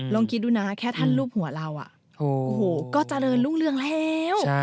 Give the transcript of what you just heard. ลองคิดดูนะแค่ท่านรูปหัวเราก็เจริญรุ่งเรืองแล้ว